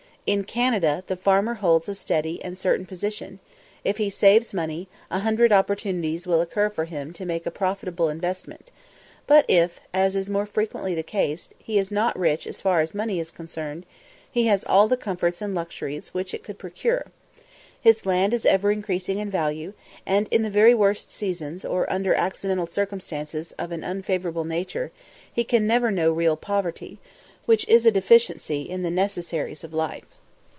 In Canada, the farmer holds a steady and certain position; if he saves money, a hundred opportunities will occur for him to make a profitable investment; but if, as is more frequently the case, he is not rich as far as money is concerned, he has all the comforts and luxuries which it could procure. His land is ever increasing in value; and in the very worst seasons, or under accidental circumstances of an unfavourable nature, he can never know real poverty, which is a deficiency in the necessaries of life.